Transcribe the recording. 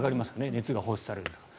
熱が放出されるから。